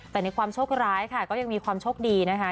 แต่ในความโชคร้ายค่ะก็ยังมีความโชคดีนะคะ